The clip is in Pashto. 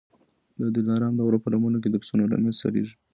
د دلارام د غرو په لمنو کي د پسونو رمې څرېږي